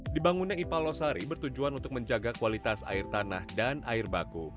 dibangunnya ipal losari bertujuan untuk menjaga kualitas air tanah dan air baku